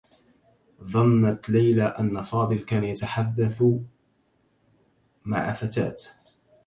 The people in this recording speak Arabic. ظنّت ليلى أنّ فاضل كان يتحدّث مع فتاة.